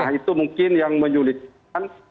nah itu mungkin yang menyulitkan